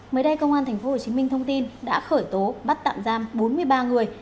mới đây công an tp hcm thông tin đã khởi tố bắt tạm giam bốn mươi ba người